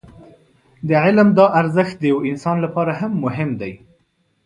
د علم دا ارزښت د يوه انسان لپاره هم مهم دی.